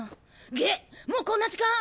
げっもうこんな時間！